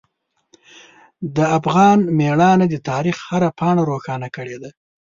د افغان میړانه د تاریخ هره پاڼه روښانه کړې ده.